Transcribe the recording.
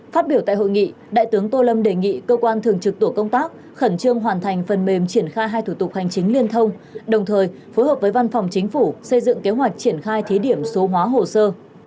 phát biểu tại hội nghị đại tướng tô lâm đề nghị cơ quan thường trực tổ công tác khẩn trương hoàn thành phần mềm triển khai hai thủ tục hành chính liên thông đồng thời phối hợp với văn phòng chính phủ xây dựng kế hoạch triển khai thí điểm số hóa hồ sơ